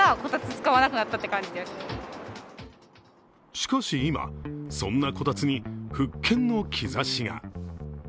しかし今、そんなこたつに復権の兆しが。